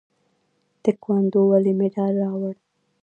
تکواندو ولې مډال راوړ؟